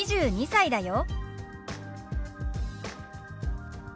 ２２歳だよ。